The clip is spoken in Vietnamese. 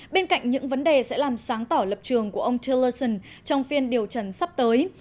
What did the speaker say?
bên cạnh những vấn đề sẽ làm sáng tỏ lập trường của ông joellerson trong phiên điều trần sắp tới